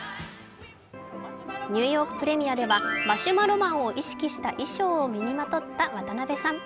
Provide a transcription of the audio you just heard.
ニューヨークプレミアではマシュマロマンを意識した衣装をまとった渡辺さん。